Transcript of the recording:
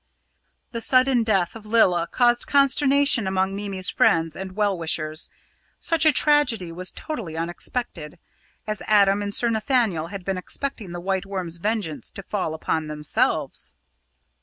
The sudden death of Lilla caused consternation among Mimi's friends and well wishers. Such a tragedy was totally unexpected, as Adam and Sir Nathaniel had been expecting the White Worm's vengeance to fall upon themselves.